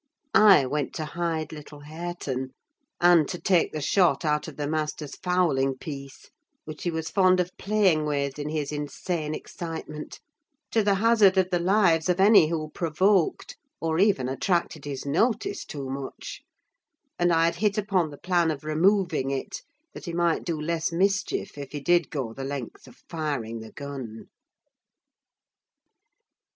I went to hide little Hareton, and to take the shot out of the master's fowling piece, which he was fond of playing with in his insane excitement, to the hazard of the lives of any who provoked, or even attracted his notice too much; and I had hit upon the plan of removing it, that he might do less mischief if he did go the length of firing the gun.